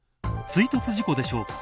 追突事故でしょうか。